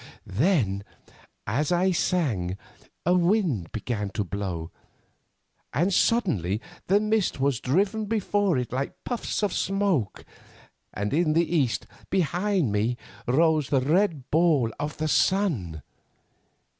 "Then, as I sang, a wind began to blow, and suddenly the mist was driven before it like puffs of smoke, and in the east behind me rose the red ball of the sun.